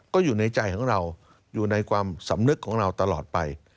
ก็อยู่ในใจของเราอยู่ในความสำนึกของเราตลอดไป